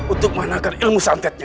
untuk menangkan ilmu santetnya